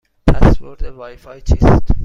پسورد وای فای چیست؟